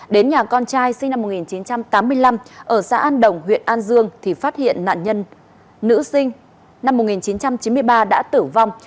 đến nhà con trai sinh năm một nghìn chín trăm tám mươi năm ở xã an đồng huyện an dương thì phát hiện nạn nhân nữ sinh năm một nghìn chín trăm chín mươi ba đã tử vong